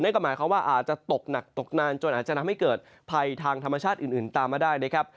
ก็หมายความว่าอาจจะตกหนักตกนานจนอาจจะทำให้เกิดภัยทางธรรมชาติอื่นตามมาได้นะครับ